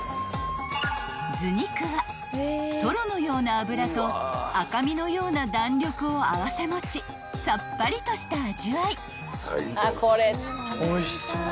［頭肉はとろのような脂と赤身のような弾力を併せ持ちさっぱりとした味わい］